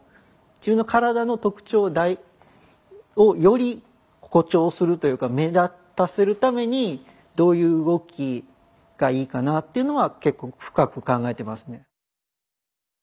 自分の体の特徴をより誇張するというか目立たせるためにどういう動きがいいかなっていうのは結構深く考えてますね。